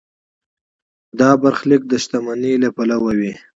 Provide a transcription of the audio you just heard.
دا برخلیک د شتمنۍ له پلوه وي.